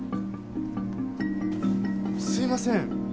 すいません。